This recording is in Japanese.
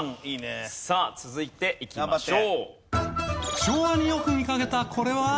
さあ続いていきましょう。